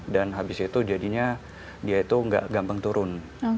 dan habis itu jadinya dia itu tidak gampang turun